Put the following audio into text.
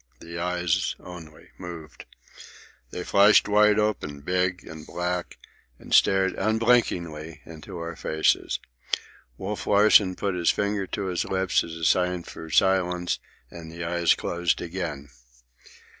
The eyes, only, moved. They flashed wide open, big and black, and stared, unblinking, into our faces. Wolf Larsen put his finger to his lips as a sign for silence, and the eyes closed again.